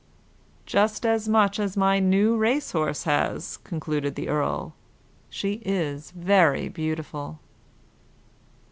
"Just as much as my new race horse has," concluded the earl. "She is very beautiful."